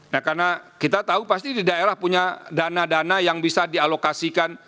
nah karena kita tahu pasti di daerah punya dana dana yang bisa dialokasikan